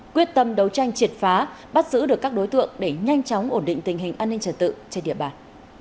quyết tâm đấu tranh triệt phá bắt giữ được các đối tượng để nhanh chóng ổn định tình hình an ninh trật tự trên địa bàn